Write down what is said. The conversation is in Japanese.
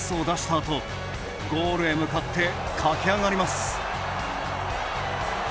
あとゴールへ向かって駆け上がります。